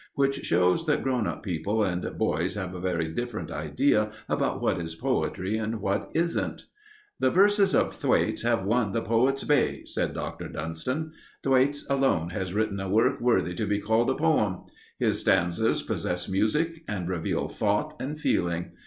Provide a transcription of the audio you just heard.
Which shows that grown up people and boys have a very different idea about what is poetry and what isn't. "The verses of Thwaites have won the poet's bay," said Dr. Dunston. "Thwaites alone has written a work worthy to be called a poem. His stanzas possess music and reveal thought and feeling.